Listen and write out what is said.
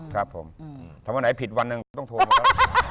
ถ้าวันไหนผิดวันหนึ่งต้องโทรมาก็